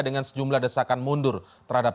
dengan sejumlah desakan mundur terhadap